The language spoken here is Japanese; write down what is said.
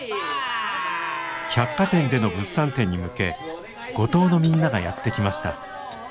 百貨店での物産展に向け五島のみんながやって来ました。